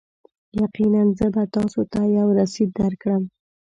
یقینا، زه به تاسو ته یو رسید درکړم.